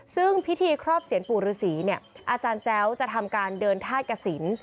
ซึ่งพิธีครอบเศียนปู่รือสีเนี่ยอาจารย์เจ้าจะทำการเดินท่าเกษิญ